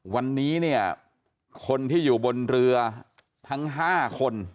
วันนี้เนี่ยคนที่อยู่บนเรือทั้ง๕คน